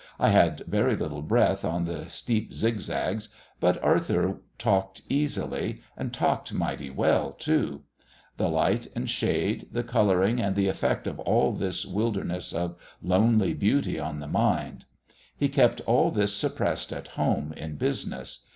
I had very little breath on the steep zigzags, but Arthur talked easily and talked mighty well, too: the light and shade, the colouring, and the effect of all this wilderness of lonely beauty on the mind. He kept all this suppressed at home in business.